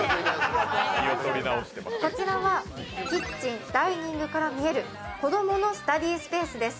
こちらはキッチンダイニングから見える子供のスタディースペースです。